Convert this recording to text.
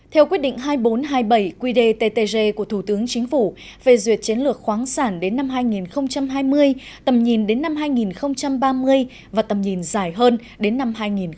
theo quyết định hai nghìn bốn trăm hai mươi bảy quy đề ttg của thủ tướng chính phủ về duyệt chiến lược khoáng sản đến năm hai nghìn hai mươi tầm nhìn đến năm hai nghìn ba mươi